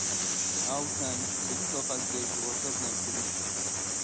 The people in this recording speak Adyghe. Ау тандж цӏыкӏухэр къэзылэжьыгъэхэр нэбгырищ.